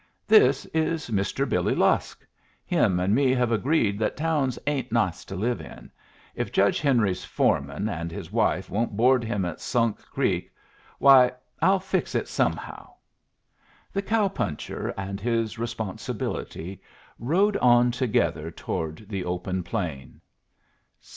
"This is Mister Billy Lusk. Him and me have agreed that towns ain't nice to live in. If Judge Henry's foreman and his wife won't board him at Sunk Creek why, I'll fix it somehow." The cow puncher and his Responsibility rode on together toward the open plain.